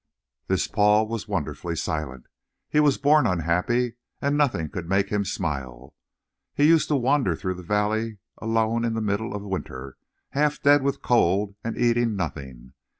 "This Paul was wonderfully silent. He was born unhappy and nothing could make him smile. He used to wander through the valley alone in the middle of winter, half dead with cold and eating nothing.